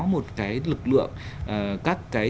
một cái lực lượng các cái